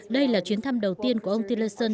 đây là chuyến thăm đầu tiên của ông tillerson